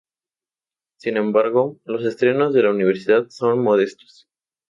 Sin embargo, los estrenos de la universidad son modestos.